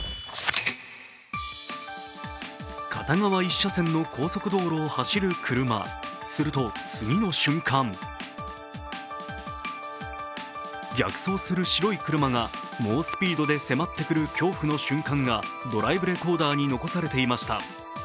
片側一車線の高速道路を走る車すると、次の瞬間逆走する白い車が猛スピードで迫ってくる恐怖の瞬間がドライブレコーダーに残されていました。